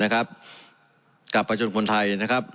กับประจนคนไทยนะครับ